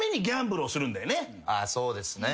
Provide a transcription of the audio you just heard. そうですね。